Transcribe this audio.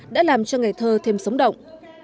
đã làm cho ngày thơ thêm sống động